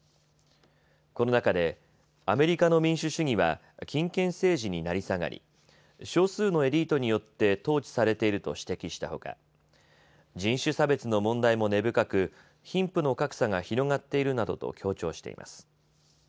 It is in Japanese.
この中でアメリカの民主主義は金権政治に成り下がり少数のエリートによって統治されていると指摘したほか人種差別の問題も根深く貧富の格差が広がっているなどと強調しています。